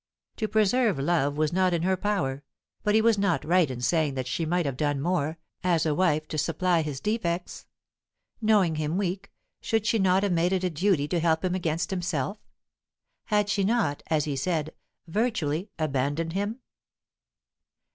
To preserve love was not in her power, but was he not right in saying that she might have done more, as a wife, to supply his defects? Knowing him weak, should she not have made it a duty to help him against himself? Had she not, as he said, virtually "abandoned" him?